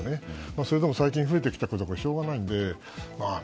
それでも最近増えてきたことはしょうがないので。